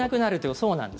そうなんです。